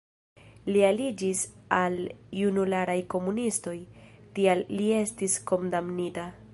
Li aliĝis al junularaj komunistoj, tial li estis kondamnita.